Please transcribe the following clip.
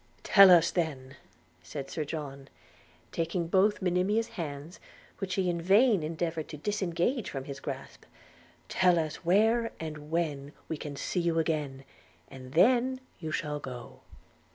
'Tell us then,' said Sir John, taking both Monimia's hands, which she in vain endeavoured to disengage from his grasp – 'tell us where and when we can see you again, and then you shall go.'